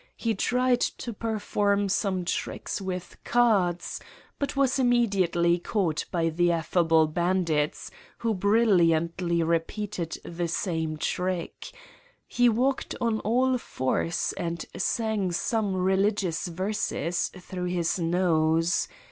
He tried to perform some tricks with cards but was immediately caught by the affable bandits who brilliantly repeated the same trick. He walked on all fours and sang some re ligious verses through his nose.